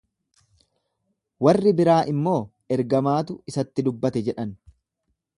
Warri biraa immoo, Ergamaatu isatti dubbate jedhan.